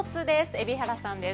海老原さんです